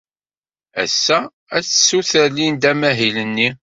Ass-a, ad tessuter Linda amahil-nni.